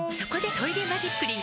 「トイレマジックリン」